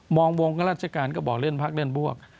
มองวงการราชการก็บอกเล่นพักเล่นพวก